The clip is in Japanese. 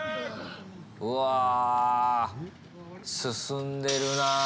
うわあ、進んでるなぁ。